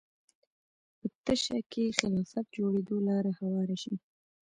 په تشه کې خلافت جوړېدو لاره هواره شي